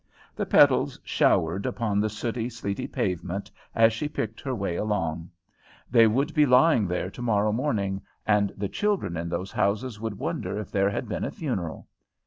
The petals showered upon the sooty, sleety pavement as she picked her way along. They would be lying there tomorrow morning, and the children in those houses would wonder if there had been a funeral.